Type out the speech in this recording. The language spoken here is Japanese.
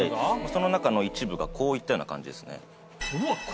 その中の一部がこういったような感じですね。